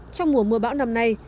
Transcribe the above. trong mùa mưa bão năm nay